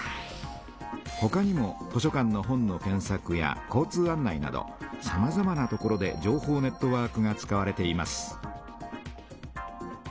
ほかにも図書館の本の検さくや交通案内などさまざまな所で情報ネットワークが使われています。